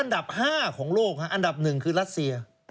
อันดับ๕ของโลกอันดับหนึ่งคือรัสเซีย